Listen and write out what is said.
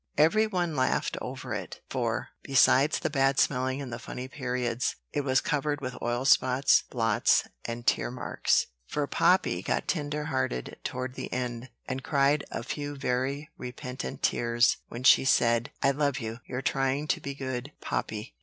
Every one laughed over it; for, besides the bad spelling and the funny periods, it was covered with oil spots, blots, and tear marks; for Poppy got tender hearted toward the end, and cried a few very repentant tears when she said, "I love you; your trying to be good Poppy."